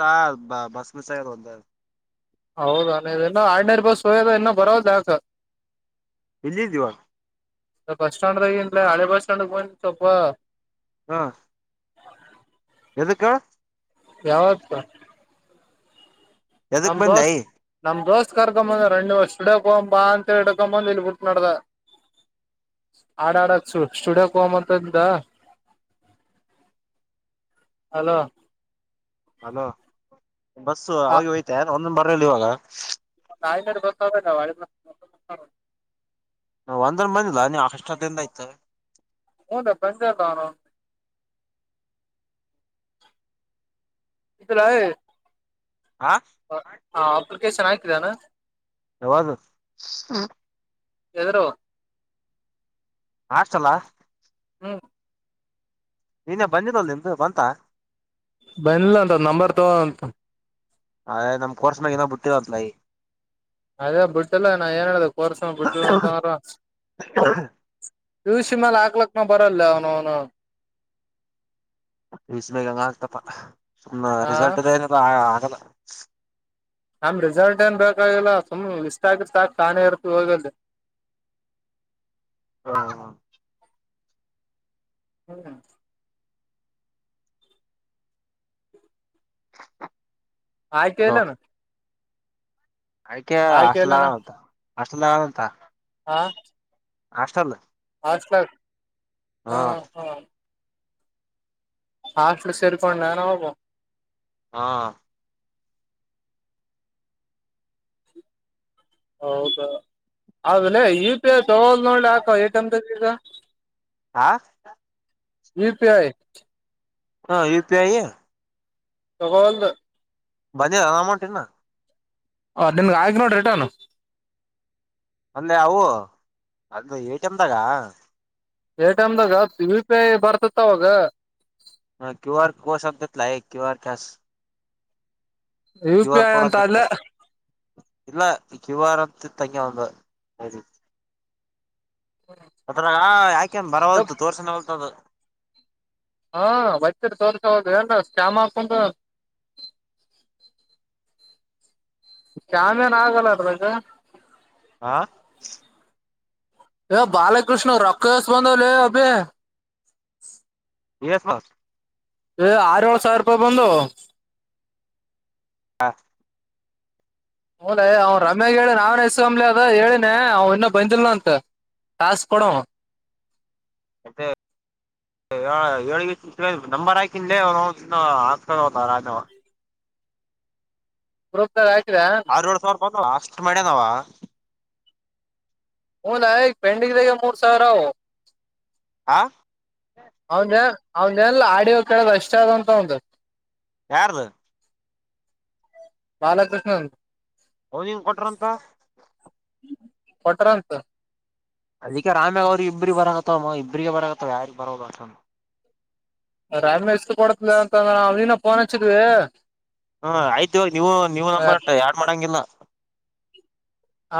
ಹಾ ಬ bus miss ಹಾಗೇತ್ ಹೌದನ ಹಡ್ನೇರ್ ಬಸೋಯದ ಇನ್ನ ಬರೋದು ಡೌಟ್. ಎಲ್ಲಿದ್ ಈವಾಗ. ಬಸ್ ಸ್ಟಾಂಡ್ದಾಗಿಂದ ಹಳೆ ಬಸ್ ಸ್ಟಾಂಡ್ಗೆ ಬಂದ್ ಸೊಪ. ಹಾ. ಎದುಕ. ಯಾವತ್ ಕ. ಎದಕ್ ನಮ್ ಬಂದೆ ದೋಸ್ ನಮ್ ದೋಸ್. [unintelligible] ಆಡ ಆಡಕ್ ಸ್ಟು ಸ್ಟುಡಿಯೋಗ್ ಹೋಗಮ್ ಅಂತ್ ಅಂದಿದ. ಹಲೋ. ಹಲೋ ಬಸ್ಸು ಅವಾಗೆ ಓಯ್ತಾ ಒಂದೊಂದ ಬರಲ್ಲಿ ಇವಾಗ. [unintelligible] ನ ಒಂದಣ ಬಂದಿಲ್ಲ ನೀವ್ ಅಷ್ಟತ್ತಿಂದ ಇತ್ತು. [unintelligible] ಬಂದೆ ಇಲ್ಲ ಅವ್ನವ್ನ್. ಇತ್ತು. [unintelligible] ಹ ಹಾ ಅಪ್ಲಿಕೇಶನ್ ಹಾಕಿರೇನು. ಯವದು. ಯಾದ್ರವು. ಹಾಸ್ಟೆಲ್ ಹಾ. ಹ್ಮ. ನೀನೇ ಬಂದಿದಲ್ ನಿಮ್ದು ಬಂತ. ಬಂದಿಲ್ಲ ಅಂತ ನಂಬರ್ ಅಂತ. ಹೇ ನಮ್ ಕೋರ್ಸ್ ನಾಗ್ ಇನ್ನ ಬಟ್ಟಿಲ್ಲ ಅದ್ ಅದೇ ಬಿಟ್ಟಲ್ಲ ನಾ ಏನ್ ಹೇಳ್ದ ಕೋರ್ಸ ಬಿಟ್ಟಿಲ್ಲ ಅಂತಂದ್ರ. ಪಿ ಯು ಸಿ ಮಲೆ ಅಕ್ನಕ್ಲಾ ಬರಲೆ ಅವನವ್ನು. ಪಿ ಯು ಸಿ ಮೆಲ್ ಎಂಗ ತಪ್ಪ ಹಾ ರಿಸಲ್ಟ್ ದೇನಿಲ್ಲ ಏನ ಆಗಲ್ಲ. ನಂದ್ ರಿಸಲ್ಟ್ ಏನ್ ಬೇಕಾಗಿಲ್ಲ ಸುಮ್ ಲಿಸ್ಟ್ ಆಕರ್ ಸಾಕ ತಾನೇ ಇರ್ತ ಹೋಗಲ್. [inaudible] ಹ್ಮ ಹ. ಹ್ಮ. ಹಾಕೇ ಇಲ್ಲೇನು. ಆಕೆ ಇಲ್ಲನ ಹಾಸ್ಟೆಲಾಗ್ ಅದಾಳಾಂತ ಹಾಸ್ಟೆಲ್ಲಾಗ ಅದಾಳಾಂತ. ಹಾ. ಆಷ್ಟಲ್ಲ. ಹಾಸ್ಟೆಲ್ ಹಾ ಹಾ. ಹಾಸ್ಟೆಲ್ ಸೇರ್ಕೊಂಡಾನ ಒಬ. ಹಾ. ಹೌದಾ ಆದೇಲೆ ಯು ಪಿ ಐ ತಗೋಲ್ ನೋಡ್ಲಿ ಯಾಕ ಎ ಟಿ ಮ್ ದಾಗ್ ಈಗ. ಹಾ. U P I. ಹಾ ಯು ಪಿ ಐ. ತಗೋವಲ್ದು. ಬದಿಲ ಅಮೌಂಟ್ ಇನ್ನ. ಅದ್ ನಿನ್ಗ ಹಾಕಿನೀ ನೋಡ್ ರಿಟನ್. ಅಲ್ಲೇ ಅವು ಅದು ಎ ಟಿ ಮ್ ದಾಗ. ಎ ಟಿ ಮ್ ದಾಗ ಯು ಪಿ ಐ ಬರ್ತತ್ತ ಅವಾಗ. Pay QR cash. U Q P R I code ಅಂತ ಅಂತಿತ್ತು ಅಲ್ಲೇ ಇಲ್ಲ ಕ್ಯೂ ಆರ್ ಅಂತ ತಂಗ ಒಂದ ಅದರಾಗ ಯಾಕೆನ್ ಬರವಲ್ತು ತೋರ್ಸನ್ ಹೊಲ್ತದ ಹಾ ಬತರಿ ತೋರ್ಸ ಹೋದುಲ್ ಶಾಮಾಕಂದ ಶಾಮೇನ್ ಆಗಲ್ಲಾರಗ ಆ ಯ ಬಾಲಕೃಷ್ಣ ರಕ್ಷಸ್ ಬಂದಾವಲ ಅಭೆ ಎಸ್ ಬಸ್ ಏ ಆರ ಏಳು ಸಾವಿರ ರೂಪಾಯಿ ಬಂದು ಹಾ ಹ ಅವ್ ರಮ್ಯಾಗ ಹೇಳಿ ನಾವನ್ ಎಸ್ಕಮ್ಲಿ ಅದ ಹೇಳನೆ ಅವ್ ಇನ್ನ ಬಂದಿಲ್ನ ಅಂತ ತಾಸಕಡೋ ಮತ್ತೆ ಹೇಳ ನಂಬರ್ ಹಾಕಲೇ ಅವ ಹಾಕ್ಕೊಂಡತ ರಾಜವ ಗ್ರೂಪ್್ದಾರ ಆಯತರಾ ದ ಅಷ್ಟ್ ಮ್ಯನಾವ ಹನ್ಯ ಪೆಂಡಿಂಗ್ದಾಗ ಮೂರ್ ಸಾವಿರ ಅ ಆ ಅವನ್ ಅವನ್ ಏನ ಆಡ ಕೇಳದು ಅಷ್ಟ ಅಂತ ಒಂದಂದು ಯಾರ್ದು ಬಾಲಕೃಷ್ಣನ್ ಹೌದಿಂಗ ಕೊಟ್ರಂತ ಪಟರಂತ ಅದಕ್ಕೆ ರಾಮ್ಯ ಅವ್ರರು ಇಬ್ರಿಗೆ ಬರಕತ್ತವಮ್ಮ ಇಬ್ರಿಗೆ ಬರತ್ತವ ಯಾರಿಿಗೆ ಬರೋದ ಅಸ ರಾಮ ಇಸ್ ಕೊಡತ ಅಂತಂದ್ರ ಅವನ ಫೋನ್ ಹಚ್ಚಿದ್ವಿ ಹಾ ಆಯ್ತು ನೀವು ನೀವುನಂಬರ್ ಆಡ್ ಮಾಡಂಗಿಲ್ಲ ಆ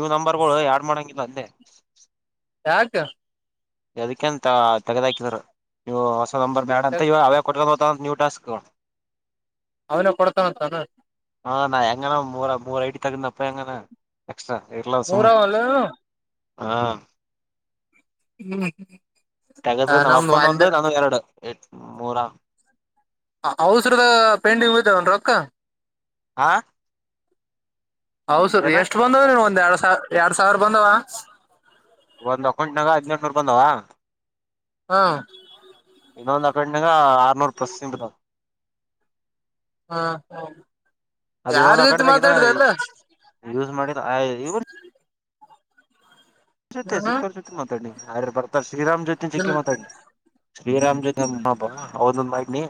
ನೀವು ನಂಬರ್ಗಳು ಯಡ್ ಮಾಡಂಗಿಲ್ಲ ಅಂದೆ ಯಾಕ ಅದಕ್ಕೆಂತ ತಗದ ಹಾಕಿದರು ನೀವು ಹೊಸ ನಂಬರ್ ಬ್ಯಾಡ ಅಂತ ಅವೇ ಕೊ ತ್ತ ನ್ಯೂಡಾಸ್ಕರ್ ಅವನ ಕೊಡ್ತಂತಾನ ಹ ನಾ ಎಂಗನ ಮ ಮೂರ ಮೂರು ಐಡಿ ತೆಗೆಗಂದಪ್ಪ ಎಂಗ ಎಾ ಎಲ್ಲ ಸುಮ ಮೂರವಲ್ಲ ಹಾ ಹ್ಮ ತಗದು ನಮ್ಮ ಅಪ್ಪಂದ ಒಂದು ನಾನು ಎರಡು ಎ ಮೂರ ಔಸರದ ಪೇಂಡಿಂಗ್ ಇದೆಾವನ್ ಅಕ್ಕ ಹಾ ಹೌದಸರ್ ಏನ ಎಷ್ಟು ಬಂದವ ನೀವ ಒಂದ್ ಎರಡ್ ಸಾವ ಎರಡ್ ಸಾವಿರ ಬಂದವ ಒಂದ್ ಅಕೌಂಟ್ನಾಗ ಹದಿನಂಟುನೂರು ಬಂದ ಹಾ ಇನ್ನೊಂದು ಅಕಂಗ ಆರ್ನೂರು ಪ್ಲಸ್ ತಿಂದ ಹಾ ಹಾ ಅದ ಯಾರ ಇನ್ನೊಂದ್ ರೀತಿ ಅಕೌಂಟ್ನಾಗ ಇನ್ನ ಮಾತಾಡ್ರಿ ಎಲ್ಲ ಯೂಸ್ ಮಾಡಿಲ್ಲ ಇವ್ರ ಜೊತೆ ಸಿಕ್ಕರ್ ಹ್ಮ್ ಜೊತೆ ಮಾತಾಡ್ನಿ ಯ್ರೆ ಬರ್ತಾರೆ ಶ್ರೀರಾಮ್ ಜೊತೆ ಚಿಕ್ಕ ಮಾತಾಡ್ಿನಿ ಶ್ರೀರಾಮ್ ಜತೆ ಅಮ್ಮಬ್ಬಾ ಹೌದೊಂದಾಗನಿ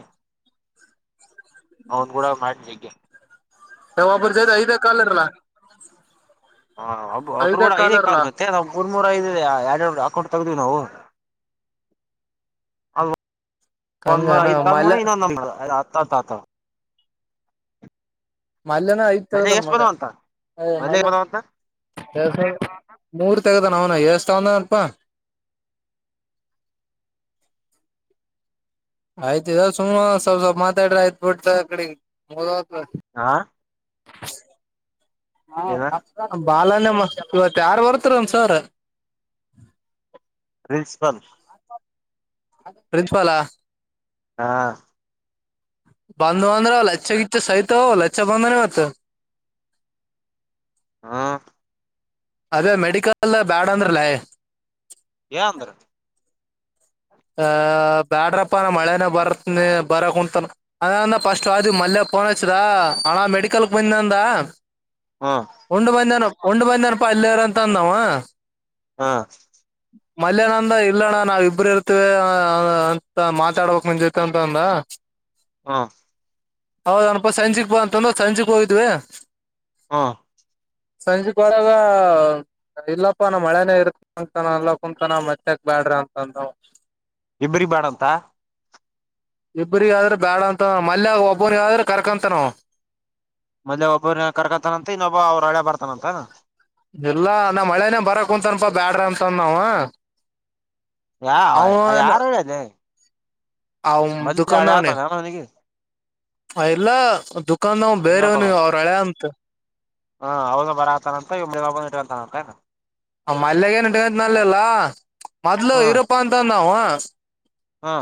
ಅವನು ಕೂಡ ಮಾಡ ಜಗೆ ಯ ಒಬರ್ ಐದ ಕಾಲ ಇರಲ್ಲಾ ಹಬ್ ಒಬ್ರುೂಡ ಕಾಲ್ ಐದೇಕ ಇರಲ್ಲ ಆದ ಮತ್ತೆ ನಾ್ ಮೂರ್ ಮೂೂರ ದೆ ಆಡ ಅಕೌಂಟ್ ತೆೆಗೆ್ದೀವಿ ನಾವು ಅದು [unintelligible] ಹಂಗನ ಮಲ್ಯ ಇನ್ನೊಂದು ನಂಬರ್ ಹತ್ ಹತ್ ಅಥವಾ. ಮಲ್ಲನ ಐತ್ ಮದ್ಲೆಗ್ ತಗದಾನ ಎಷ್ಟ್ ಮಕ ಬಂದವಂತ ಮ. ಮದ್ಲೆಗ್ ಬಂದವಂತ [inaudible] [unintelligible] ಮೂರ್ ತೆಗದ ಅವನ ಎ. ತನ್ನಾರ್ಪ್ಪಾ [inaudible] ಆಯ್ತ ಇದ ಸುಮ್ಮ ಸ್ವಲ್ ಸ್ವಲ್ಪ ಮಾತಾಡ್ರ ಆಯತತ್ ಬಿಡ್ತಡೆ. ಆ ಹ ಬಾಲ. ಇವತ್ ಯಾರು ಬರ್ತರ ಒನ್ ಸರ್. ಪ್ರಿನ್ಸಿಪಲ್. ಪ್ರಿನ್ಸಿಪಾಲಾ. ಹಾ. ಬಂಧು ಬಂಧವ ಲಛ ಗಿಚ ಸಹಿತ ಲಚ್ಛ ಬಂಧವನ ಮತ್ತ. ಹೂ. ಅದೇ ಮೆಡಿಕಲ್ ಬ್ಯಾಡ್ ಅಂದ್ರಲ್ಲೇ. ಯ ಅಂದ್ರ. ಆಹ ಬ್ಯಾಡ್ರಪ್ಪನ ಮಳೆನ ಬರ್ತ ಬರಕ ಕುಂತಾನ ಅದನ್ನ ಫಸ್ಟ್ ಆದ ಮಲ್ಲ. ಪೊನ್ಚ್ಚದಾ ಆಣ ಮೆಡಿಕಲ್ಕ್ ಬಂದೀನಿಂದ. ಹ್ಮ್ ಉಂಡು ಬಂದನ ಉಂಡ್ ಬಂದನಪಾ ಅಲ್ಲಿರ ಅಂತ ಅಂದಾವ. ಹಾ ಮಲ್ಯನಂದ ಇಲ್ಲಣ್ಣ ನಾವ ಇಬ್ರ ಇರ್ತೇವಿ ಅಂತ ಮಾತಾಡ್ಬೇಕಕ್ ನಿನ್ ಜೊತೆ ಅಂತ ಅಂದ. ಹಾ ಹೌದನಪಾ ಸಂಜೆಕ್ ಬ ತಂದ ಸಂಜೆಕ್ ಹೋಗಿದ್ವಿ. ಹೂ ಸಂಜೆಕ್ ಒಳಗ ಇಲ್ಲಪ್ಪ ನಾ ಮಳೆನೇ ಇರ್. ಅಲ್ಲ ಕುಂತನ ಮತ್ತೆಕ್ ಬ್ಯಾಡ್ರಿ ಅಂತಂದವು. ಇಬ್ಬ್ರ ಬಾಡಂತ. ಇಬ್ರಗ ಆದ್ರ ಬ್ಯಾಡ ಅಂತ ಮಲ್ಯ ಒಬ್ಬ್ರಿಗೆರ ಕರ್ಕಂತ ನಾವ. ಮಲ್ಯ ಒಬ್ಬ್ರನ ಕರ್ಕತಾನಂತ ಇನ್ನೊಬ್ಬ ಅವ್ರ ಅಳಿಯ ಬರ್ತಾನಂತ. ಇಲ್ಲಾ ನಾ ಮಳೇನೇ ಬರಕ್ ಕುಂತನಪಾ ಬ್ಯಾಡ್ರ ಅಂತಂದನಾವ. ಯ ಯಾರ [inaudible] ಅವ್ನ ದುಕಾನದಾವನ. ಆತಾನ ಅವನಿಗೆ ಇಲ್ಲ ದುಖಾನ್ದವ ಬೇರೆವ್ನಿಗೆ ಅವ್ರ ಹಳೆ ಅಂತ. ಹಾ ಅವಾಗ ಬರ ಆಗ್ತಾನ ಅಂತ ಇವ ಮಿ ಬಾಬಂದ ಇಟ್ಟವಂತಾನಂತೆ. ಮಲ್ಯಗೇಏನ್ ಟತ್ ನಲ್ಲಿಲ್ಲ ಮೊದ್ಲು ಇರಪ್ಪ ಅಂತ ಅಂಡ್ನವ. ಹಾ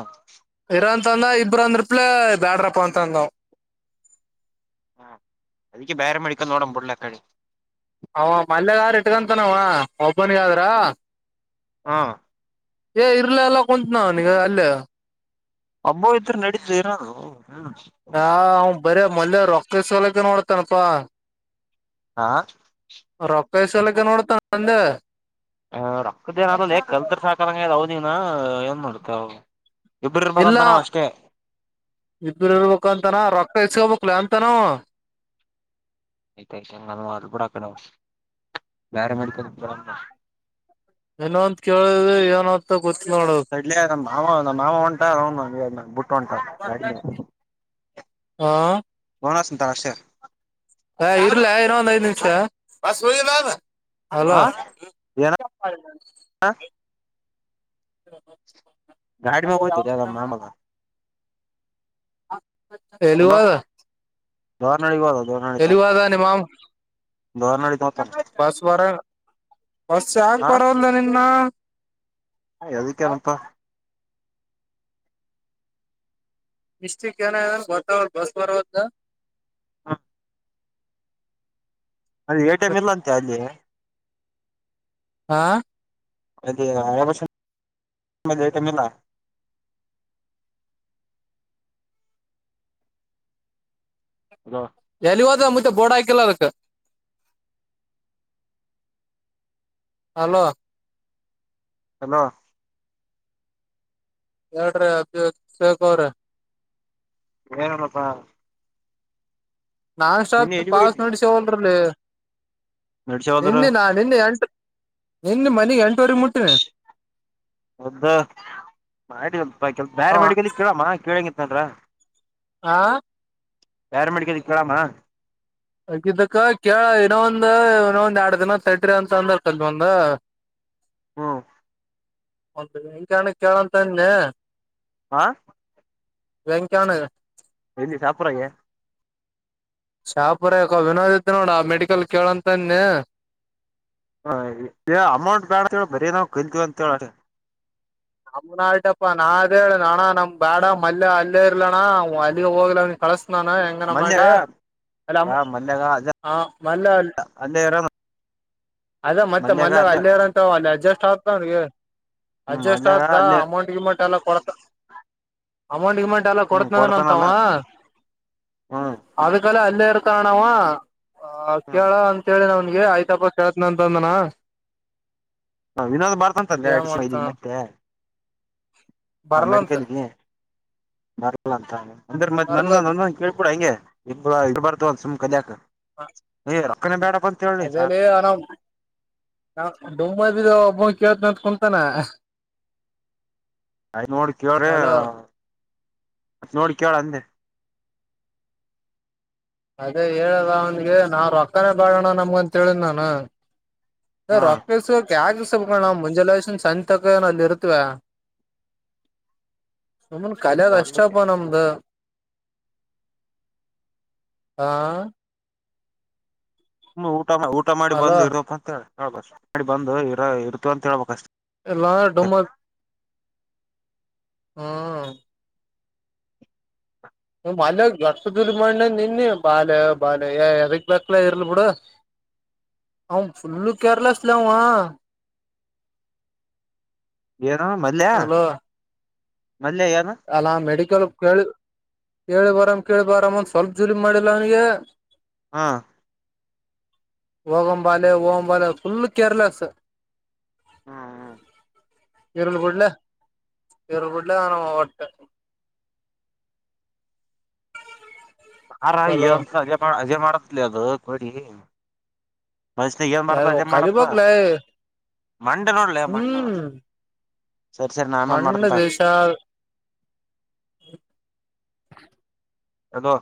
ಇ್ರ ಅಂತ ಅಂದ ಇಬ್ರ ಅಂದ್ರಪ್ಲೆ ಬ್ಯಾಡ್ರಪ್ಪ ಅಂತ ಅಂದಾವ. ಹಾ ಅದಕ್ಕೆ ಬೇರೆ ಮೇಡಿಕ ನೋಡಂಬುಡಲ ಅತಗೆ. ಅವ ಮಲ್ಯಗಾರ ಇಟ್ಕಂತನವ ಒಬನ್ಗ ಆದ್ರ. ಹಾ. ಏ ಇರ್ಲ ಎಲ್ಲ ಕುಂತ ನಾವ ನಿಗ ಅಲ್ಲೇ. ಅಬ್ಬೋ ಇದ್ರ ನಡೀತ ಇರೋದು. ಹ್ಮ್ ಹಾ ಅವ ಬರಿ ಮಲ್ಯ ರೊಕ್ಕಲಕ್ಕೆ ನೋಡ್ತನಪಾ. ಹ ರೊಕ್ಕಾ ಈಸಲಕ್ಕೆ ನೋಡ್ತ ಅಂದೆ. ಹ ರೊಕ್ಕದ ಏನಾದ ಕಲ್ತರ್ ಸಾಕಂಗ ಅವದನ ಏನ್ ಮಾಡುತ್ತ ಅವ. ಇಲ್ಲ ಇಬರು ಇರ್ಬೇಕಂತನ ರೋಕ್. ಕಳ್ಸ್ಕೋಬೇಕಕ್ಲ ಅಂತನೋ. ಐತ ಚಂಗಂದ ಮಾಡ ಕೂಡ ಅಡೆ ಬೇರೆ ಮಡ್ತ. ಏನ ಅಂತ ಕೇಳಿದ್ರ ಏನಂತ. ಸಡ್ಲ ನ ಮಾಮ ನಮ್ಮ ಮಾಮ ಹೊಂಟ ಬುಟ್ಟ ಹೊಂಟ. ಹಾ ತಕೊ ಅಷ್ಟೇ ಹ ಇರ್ಲ ಇರೋ ಒಂದ್ ಐದ್ ನಿಮಷ ಹಲೋ ಏನ ಮಾಡಿ ಹ ಗಾಡಿ ಮ್ಯಾಗ ಹೋಯ್ತದೆ ಅದ ಮಾಮಗ [unintelligible] ಎಲ್ಲಿಗೆ ಹೋದ ಬಾರ್ನಹಳ್ಳಿಗೆ ಹೊದ ಎಲ್ಲಿಗೆ ಹೋದ ನಿಮ್ಮ ಮಾವ್ ದೋರ್ನಳಿ ಹೋತಾನ ಬಸ್ ಬಾರ ಬಸ್ ಯಾಕ ಬರೋದಲ್ಲ ನಿನ್ನ ಯಾದಕೆನಪ್ಪ ಮಿಸ್ರಿಕ್ ಏನಗದ ಅಂತ ಗೊತ್ತು ಬಸ್ ಬರಬೇಕು ಹಾ ಅದು ಎ ಟಿ ಎಂ ಇಲ್ಲ ಅಂತೆ ಅಲ್ಲಿ ಹಾ ಅಲ್ಲಿ ರೈಲ್ವೆ ಸ್ಟೇಷನ್ ಅಲ್ಲಿ [inaudible] ಹಾ ಎಲ್ಲಿಗೇ ಹೋದ ಮುಚೆ ಬೋರ್ಡ್ ಹಾಕಿಲ್ಲ ಅದಿಕ್ಕೆ ಹಲೋ ಹಲೋ ಹೇಳ್ರಿ ಅ ಶೇಕು ಅವ್ರ ಏನಿಲಪ್ಪ ನಾನ್ ಸ್ಟಾಪ್ ಪಾಸ್ಕ್ ಹೋಗಿದ್ದೆ ನೆಡಸವಲ್ರಲ್ಲಿ ನಡ್ಸವಲ್ರು ನಿನ್ನೆ ನಾ ನಿನ್ನೆ ಎಂಟುವರೆಗೆ ನಿನ್ನೆ ಮನೆಗ್ ಎಂಟುವರೆ ಮುಟ್ಟನೆ ಒದ್ದ ಮಾಡಲ್ಪ ಕೆ ಬೇರೆ ಅವ ಮೆಡಿಕಲ್ ಅಲ್ಲಿ ಕೇಳಮ್ಮ ಕೇಳಂಗಿತ್ನದ್ರ ಹಾ ಪ್ಯಾರಾಮೆಡಿಕಲ್ ಗೇ ಕೇಳಮ್ಮ ಹಗಿದ್ದಕ್ಕ ಕೇಳ ಇನ್ನೊ ಒಂದ್ ಇನ್ನೊ ಒಂದ್ ಎರಡ್ ದಿನ ತಟ್ರಿ ಅಂತ ಅಂದ ಒಂದ [inaudible] ಹ್ಮ್ ನಿನ್ನ ತವನೆ ಕೇಳಂತ ಅನ್ಲೆ ಹಾ ವೆಂಕಿ ಅಣ್ಣಗೇ ಎಲ್ಲಿ ಶಾಪುರ್ದಾಗ ಶಾಪುರಾ ಯಾಕೋ ವಿನೋದತ್ಇದ್ದ ನೋಡ ಆ ಮೆಡಿಕಲ್ ಕೇಳಂತಾನಿ ಹ ಅಮೌಂಟ್ ಬೇಡ ಅಂತ ಹೇಳೇಳಿ ಬರೀ ನಾವು ಕಲ್ತೀವಿ ಅಂತೇಳ ನಮನ್ ಆಯಟಪ್ಪಾ ನಾ ಅ ಹೇಳ ಅಣ್ಣ ನಮ್ ಬ್ಯಾಡ ಮಲ್ಲ ಅಲ್ಲೇ ಇರ್ಲಣ ಅಲ್ಲಿಗೆ ಹೋಗ್ಲ ಅವ ಕಳಸ್ತ ನಾನ ಹೆಂಗನ ಮಲ್ಯ ಮಾಡಿ ಮಲ್ಯಾಗ ಅ ಹಾ ಮೊನ್ನೆ ಅಲ್ಲೇ ಇರೋನು ಅದ ಮತ್ತೆ ಮಲ್ಯಾಗ ಮೊನ್ನೆ ಅಲ್ಲೇ ಅಲ್ಲಿ ಇರಂತ ಅಲ್ಲಿ ಅಡ್ಜಸ್ಟ್ ಆತಗೆ ಹ್ಮ್ ಅಡ್ಜಸ್ಟ್ ಮಲ್ಯಾಗ ಆತ ಅಲ್ಲೇ ಅಮೌಂಟ್ ಎಲ್ಲ ಕೊಡ್ತಾನ ಅಮೌಂಟ್ ಗಿಮೌಂಟ್ ಎಲ್ಲ ಹ್ಮ್ ಕೊಡ್ತೀನಿ ಅಂತ ಕೊಡ್ತಾನಲ್ಲ ಅವ ಹ್ಮ್ ಅದೇ ತಾರಾ ಇಲ್ಲೇ ಇರ್ತಾರಣ್ಣ ಕೇಳ ಹ ಅಂತೇಳಿ ನಿಮಗೆ ಆಯ್ತಪ್ಪ ಕೇಳ್ತನಂತ ಅಂದನ ಹಾ ವಿನೋದ್ ಬಾರತಂತಲ್ ಅಡಿಸಿದಿಗೆ ಮತ್ತೆ ಹಾ ಬರ್ಲಂತ ಮೆಡಿಕಲ್ಗೆ ಬರಲ್ಲ ಅಂತ ಅಂದ್ರೆ ಬರ್ಲತ್ ನಂದ ಕೇಳ್ಬಿಡ ಹಂಗೆ ಇದ್ದು ಬರ್ತಾವಿ ಅಂತ ಸುಮ್ ಕಲಿಯಕ್ಕಾ ಹಾ ರೊಕ್ಕನೆ ಬೇಡ ಅದೇಲೇ ಅಣ್ಣ ಒಬ್ಬ ಕೇಳ್ತನಂತ ಕುಂತಾನ ಅಯ್ ನೋಡಿ ಕೇಳ್ರಿ ಹಲೋ ಮತ್ ನೋಡಿ ಕೇಳ ಅಂದೆ ಅದೇ ಹೇಳದ ಅವನ್ಗೆ ನಾವ ರೊಕ್ಕಾನ ಬಾಳೋಣ ನಮಗಂತ ಹೇಳಿದ್ ನಾನ ಹಾ ರಕ್ ಯ ೋಣ ಮುಂಜಾಲಷನ್ ಸ ತಕನಲ್ಲಿ ಇರುತ್ವೆ ಒಮ್ಮನ್ ಕಲಿಯದ್ ಕೊಡ್ಲಿಕ್ಕೆ ಅಷ್ಟಪ್ಪ ನಮ್ದ ಹಾ ಹ್ಮ ಊಟ ಊಟ ಮಾಡಿ ಅಲೋ ಬಂದು ಇರಪ್ಪ ಅಂತ ಹೇಳ್ಬ ಮಾಡಿ ಬಂದು ಇರ ಇರ್ತ ಅಂತ ಹೇಳ್ಬಬೇಕ ಅಷ್ಟೆ ಎಲ್ಲಾ ಡೊಮ ಹ್ಮ ಮಲ್ಲಷ್ಟ ಮಣ್ಣ ನಿನ್ನೆ ಬಾಲೆ ಬಾಲ ಅದ ಬಕ್ಲ ಇರ್ಲಿ ಬಿಡ ಹ ಲ್ ಕೆರ್ಲಸ್ಲ್ಲಿಾವ ಏನು ಮಲಯ ಅಲೋ ಅಲ್ಲಾ ಮೆಡಿಕಲ್ ಕೇಳಿ ಕೇಳಿ ಬಾರಾಮ್ ಕೇಳಿ ಬಾರಾಮ್ ಒಂದ್ ಸ್ವಲ್ಪ್ ಜೂಲಿ ಮಾಡಿಲ್ಲ ಅವನಿಗೆ ಹಾ ಹೋಗಂಬಾಲೆ ಓಗಂಬಾಲೆ ಫುಲ್ ಕೇರ್ಲೆಸ್ ಹ್ಮ್ ಹ್ಮ ಇರುಳಗುಡ್ಲ ಇರುಳ್ಗುಡ್ಲ ನಾನ ಒಟ್ಟ ಹಾರ ಅಲೋ ಏಂತ ಅಜೆ ಮಾಡ ಅಜೆ ಮಾಡತ್ಲಿ ಅದು ಕೊಡಿ ಮೈಸ್ನಗ್ ಏನ್ ಮಾಡ್ತ ಯಾವಾಗ ಅದೇನ್ ಮಾಡತ ಕಲಿಬೇಕ್ಲೇ ಮಂಡನೂಲ್ಲ ಮಂಡವರ ಹ್ಮ್ ಸರಿ ಸರಿ ನಮೇಲ್ ಮಣ್ಣ್ ಮಾಡಂತ ದೇಶ ಅದೋ